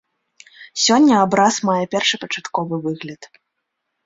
Сёння абраз мае першапачатковы выгляд.